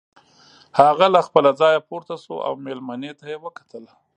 هغه له خپله ځايه پورته شو او مېلمنې ته يې وکتل.